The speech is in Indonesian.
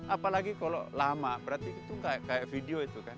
apalagi kalau lama berarti itu nggak kayak video itu kan